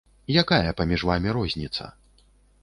Якая паміж вамі розніца?